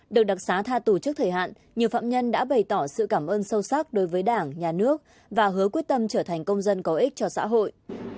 được đặc xá tha tù trước thời hạn nhiều phạm nhân đã bày tỏ sự cảm ơn sâu sắc đối với đảng nhà nước và hứa quyết tâm trở thành công dân có ích cho xã hội